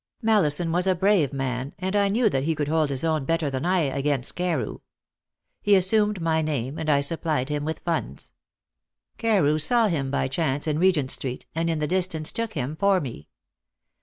Mallison was a brave man, and I knew that he could hold his own better than I against Carew. He assumed my name, and I supplied him with funds. Carew saw him by chance in Regent Street, and in the distance took him for me.